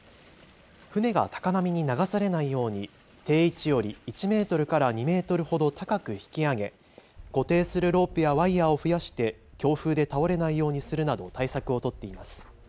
船が高波に流されないように定位置より１メートルから２メートルほど高く引き上げ固定するロープやワイヤーを増やして強風で倒れないようにするなど対策を取っています。